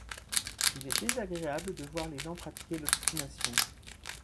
Il est désagréable de voir les gens pratiquer l’obstination.